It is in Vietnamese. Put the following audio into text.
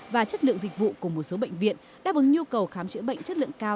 và chất lượng dịch vụ của một số bệnh viện đáp ứng nhu cầu khám chữa bệnh chất lượng cao